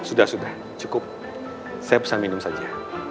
sudah sudah cukup saya bisa minum saja